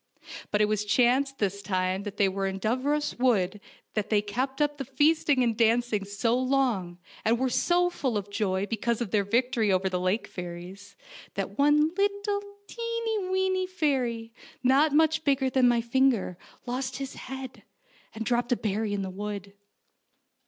But it chanced that this time they were in Dooros Wood they kept up the feasting and dancing so long, and were so full of joy because of their victory over the lake fairies, that one lit tle, weeny fairy, not much bigger than my finger, lost his head, and dropped a berry in the wood.